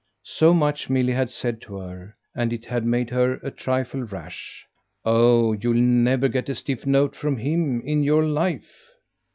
So much Milly had said to her, and it had made her a trifle rash. "Oh you'll never get a stiff note from him in your life."